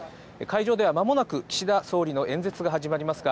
会場では間もなく、岸田総理の演説が始まります。